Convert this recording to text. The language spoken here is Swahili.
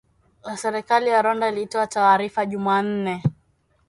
Serikali ya Rwanda ilitoa taarifa Jumanne